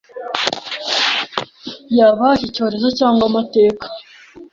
yaba iki cyorezo cyangwa amateka;